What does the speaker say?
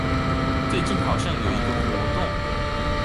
最近好像有一個活動